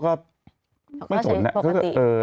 เขาไม่สนเนี้ย